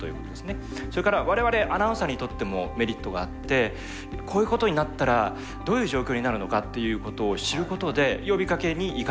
それから我々アナウンサーにとってもメリットがあってこういうことになったらどういう状況になるのかっていうことを知ることで呼びかけに生かしていく。